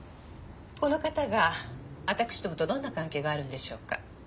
この方がわたくしどもとどんな関係があるんでしょうか？